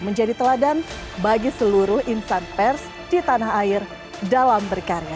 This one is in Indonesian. menjadi teladan bagi seluruh insan pers di tanah air dalam berkarya